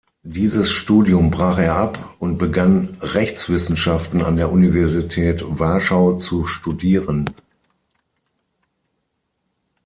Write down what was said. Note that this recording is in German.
Dieses Studium brach er ab und begann Rechtswissenschaften an der Universität Warschau zu studieren.